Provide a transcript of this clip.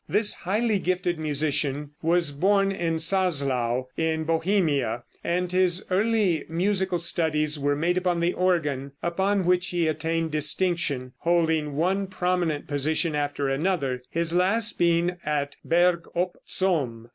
This highly gifted musician was born in Czaslau, in Bohemia, and his early musical studies were made upon the organ, upon which he early attained distinction, holding one prominent position after another, his last being at Berg op Zoom.